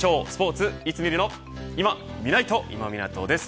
スポーツいつ見るの、今見ないと今湊です。